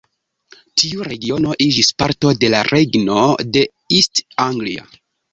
Tiu regiono iĝis parto de la regno de East Anglia.